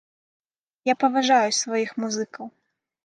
Я паважаю сваіх музыкаў.